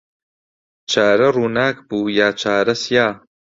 چارە ڕووناک بوو یا چارە سیا